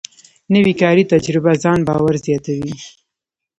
نوې کاري تجربه ځان باور زیاتوي